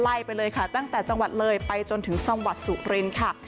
ไล่ไปเลยค่ะตั้งแต่จังหวัดเลยไปจนถึงสมวัติสุรินทร์ค่ะ